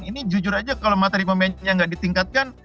ini jujur aja kalau materi pemainnya nggak ditingkatkan